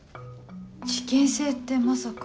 事件性ってまさか。